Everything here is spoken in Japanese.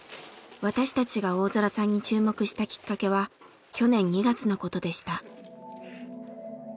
私たちが大空さんに注目したきっかけは去年２月のことでした。